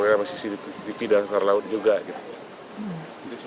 di pilihan dasar laut juga gitu